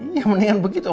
iya mendingan begitu